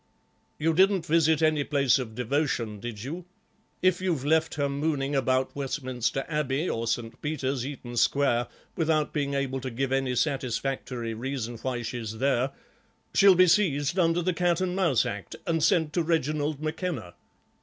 "You didn't visit any place of devotion, did you? If you've left her mooning about Westminster Abbey or St. Peter's, Eaton Square, without being able to give any satisfactory reason why she's there, she'll be seized under the Cat and Mouse Act and sent to Reginald McKenna."